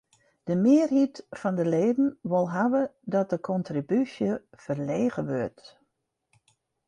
De mearheid fan de leden wol hawwe dat de kontribúsje ferlege wurdt.